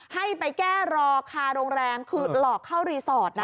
ให้ไปแก้รอคาโรงแรมคือหลอกเข้ารีสอร์ทนะ